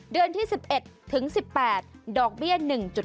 เดือน๑๑๑๘ดอกเบี้ย๑๙๙